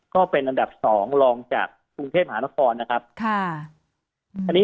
ก็เป็นอันดับ๒รองจากกรุงเทพฯหาละคร